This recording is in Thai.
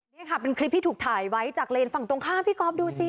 นี่ค่ะเป็นคลิปที่ถูกถ่ายไว้จากเลนฝั่งตรงข้ามพี่ก๊อฟดูสิ